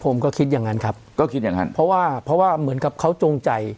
ผมก็คิดอย่างนั้นครับก็คิดอย่างงั้นเพราะว่าเพราะว่าเหมือนกับเขาจงใจ